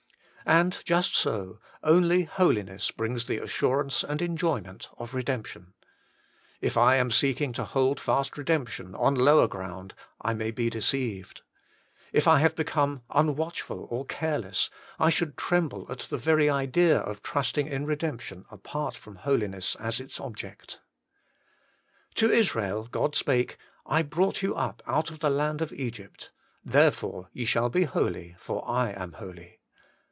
And just so, only holiness brings the assurance and enjoyment of redemption. If I am seeking to hold fast redemption on lower ground, I may be deceived. If I have become unwatchful or careless, I should tremble at the very idea of trusting in redemption apart from holiness as its object. To Israel God spake, ' I brought you up out of the land of Egypt : therefore ye shall be holy, for I am holy.'